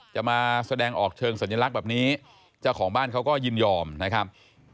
จะมาแสดงออกเชิงสัญลักษณ์แบบนี้เจ้าของบ้านเขาก็ยินยอมนะครับ